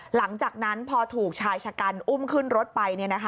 หลังจากนั้นพอถูกชายชะกันอุ้มขึ้นรถไป